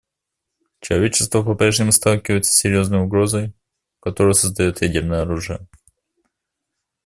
Человечество по-прежнему сталкивается с серьезной угрозой, которую создает ядерное оружие.